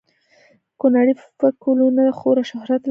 کونړي فکولونه خورا شهرت لري